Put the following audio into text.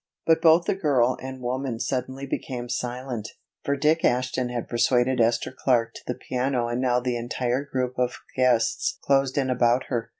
But both the girl and woman suddenly became silent, for Dick Ashton had persuaded Esther Clark to the piano and now the entire group of guests closed in about her.